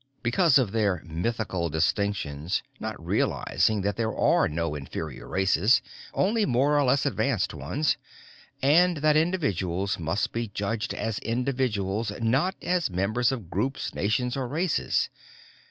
Because of their mythical distinctions, not realizing that there are no inferior races, only more or less advanced ones, and that individuals must be judged as individuals, not as members of groups, nations or races.